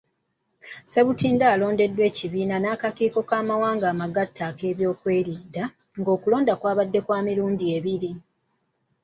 Ssebutinde alondeddwa ekibiina n'akakiiko ky'amawanga amagatte ak'ebyokwerinda, ng'okulonda kwabadde kwa mirundi ebiri.